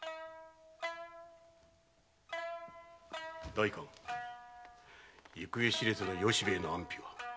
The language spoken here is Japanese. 代官行方知れずの由兵衛の安否は？